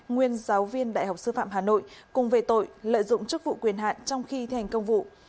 nguyên giáo viên đại học sư phạm hà nội cùng về tội lợi dụng chức vụ quyền hạn trong khi thi hành công vụ